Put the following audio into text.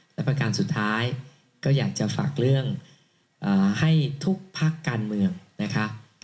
และประการสุดท้ายก็อยากจะฝากเรื่องให้ทุกพักการเมืองนะคะ